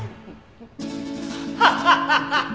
ハハハハハ！